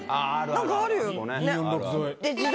なんかあるよね。